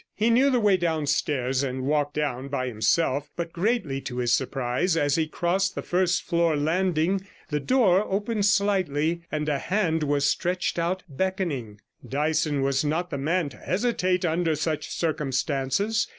He knew the way downstairs, and walked down by himself; but, greatly to his surprise, as he crossed the first floor landing the door opened slightly, and a hand was stretched out, beckoning. Dyson was not the man to hesitate under such circumstances.